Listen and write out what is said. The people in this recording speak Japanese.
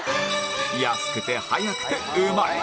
安くて早くてうまい